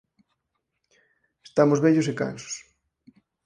Estamos vellos e cansos